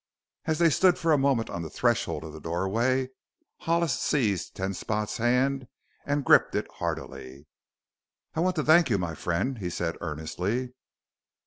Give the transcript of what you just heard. As they stood for a moment on the threshold of the doorway Hollis seized Ten Spot's hand and gripped it heartily. "I want to thank you, my friend," he said earnestly.